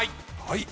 はい。